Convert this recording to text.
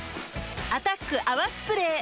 「アタック泡スプレー」